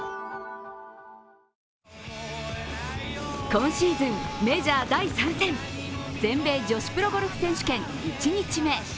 今シーズン、メジャー第３戦全米女子プロゴルフ選手権１日目。